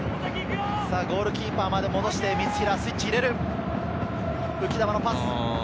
ゴールキーパーまで戻して、三平、スイッチを入れる。